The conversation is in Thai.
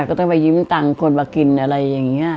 ก็ต้องไปยืมตังค์คนมากินอะไรอย่างนี้